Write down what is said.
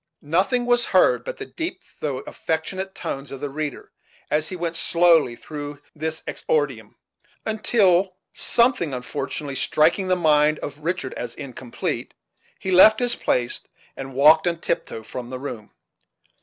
Nothing was heard but the deep though affectionate tones of the reader, as he went slowly through this exordium; until, something unfortunately striking the mind of Richard as incomplete, he left his place and walked on tiptoe from the room.